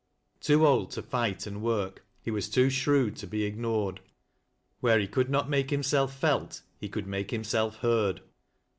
Too old to fight and work, he was too shrewd to be ignored. Where he could not make himself felt, he could make himself heard.